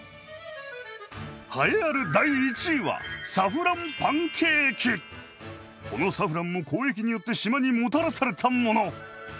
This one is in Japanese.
栄えある第１位はこのサフランも交易によって島にもたらされたもの。